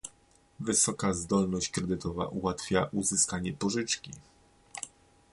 Wysoka zdolność kredytowa ułatwia uzyskanie pożyczki.